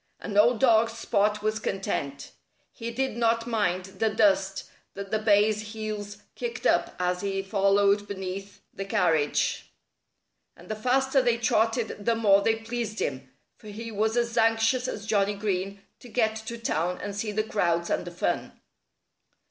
And old dog Spot was content. He did not mind the dust that the bays' heels kicked up as he followed beneath the carriage. And the faster they trotted, the more they pleased him; for he was as anxious as Johnnie Green to get to town and see the crowds and the fun.